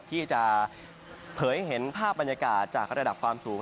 ที่จะเผยเห็นภาพบรรยากาศจากระดับความสูง